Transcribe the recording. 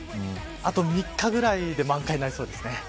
あと３日ぐらいで満開になりそうです。